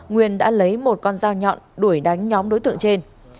nguyên đã lấy một con dao nhọn đuổi đánh nhóm đối tượng trên